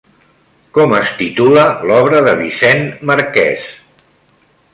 Com es titula l'obra de Vicent Marqués?